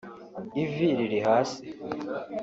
ivi riri hasi